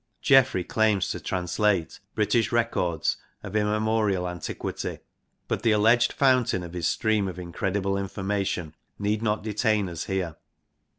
Geoffrey claims to translate British records of immemorial antiquity, but the alleged fountain of his stream of incredible information need not detain us here.